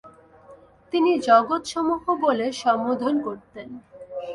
তিনি "জগতসমূহ" বলে সম্বোধন করতেন।